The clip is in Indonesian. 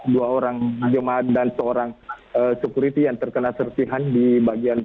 dua orang jemaat dan seorang security yang terkena serpihan di bagian